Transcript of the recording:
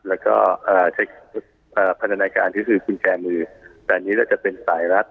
แล้วก็อ่าพันธนาคารที่ถือคุณแชร์มือตอนนี้แล้วจะเป็นสายรัฐ